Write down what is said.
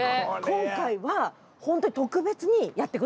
今回はホントに特別にやってくださって。